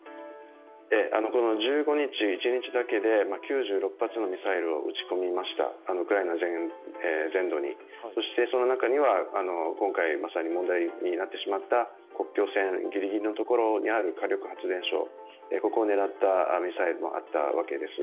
１５日の一日だけで９６発のミサイルを撃ち込みました、ウクライナ全土に、そしてその中には今回まさに問題になってしまった国境線ぎりぎりのところにある火力発電所、ここを狙ったミサイルもあったわけです。